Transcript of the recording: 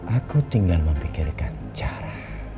aku tinggal memikirkan cara